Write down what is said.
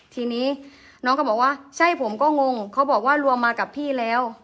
ทีนี้น้องก็บอกว่าใช่ผมก็งงเขาบอกว่ารวมมากับพี่แล้ว